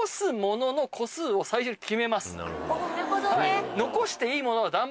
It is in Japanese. なるほどね。